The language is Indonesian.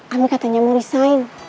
ami katanya mau resign